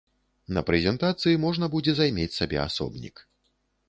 На прэзентацыі можна будзе займець сабе асобнік.